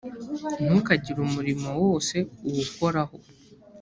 ntukagire umurimo wose uwukoraho